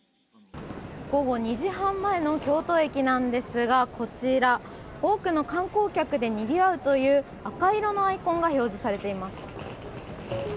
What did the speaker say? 午後２時半前の京都駅なんですが、こちら、多くの観光客でにぎわうという赤色のアイコンが表示されています。